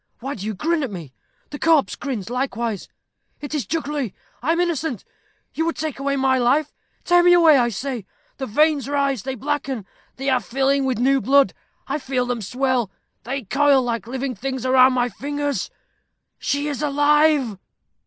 Why do you grin at me? The corpse grins likewise. It is jugglery. I am innocent. You would take away my life. Tear me away, I say: the veins rise; they blacken; they are filling with new blood. I feel them swell; they coil like living things around my fingers. She is alive."